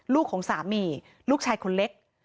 ลูกของสามีลูกชายคนเล็ก